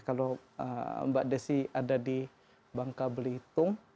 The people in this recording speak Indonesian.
kalau mbak desi ada di bangka belitung